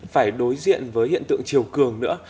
phải đối diện với hiện tượng chiều cường nữa